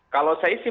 kalau saya sih